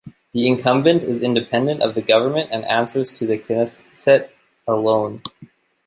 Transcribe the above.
The incumbent is independent of the government and answers to the Knesset alone.